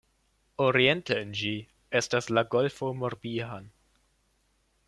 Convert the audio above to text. Oriente en ĝi estas la Golfo Morbihan.